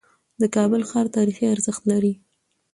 د کابل ښار تاریخي ارزښت لري.